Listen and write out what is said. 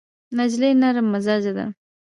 نجلۍ نرم مزاجه ده.